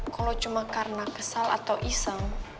kalau cuma karena kesal atau iseng